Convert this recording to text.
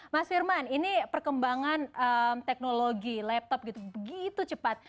mas firman ini perkembangan teknologi laptop gitu begitu cepat